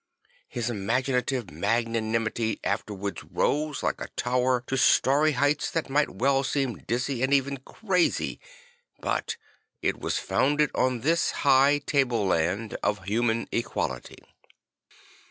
His imagina tive magnanimity afterwards rose like a tower to starry heights that might well seem dizzy and even crazy; but it was founded on this high table land of human equality.